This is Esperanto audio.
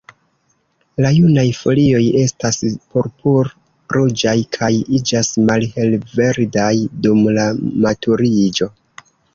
La junaj folioj estas purpur-ruĝaj, kaj iĝas malhelverdaj dum la maturiĝo.